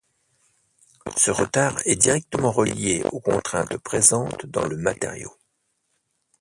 Ce retard est directement relié aux contraintes présentes dans le matériau.